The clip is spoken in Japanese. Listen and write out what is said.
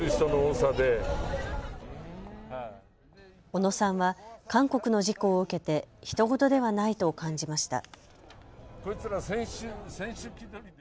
小野さんは韓国の事故を受けてひと事ではないと感じました。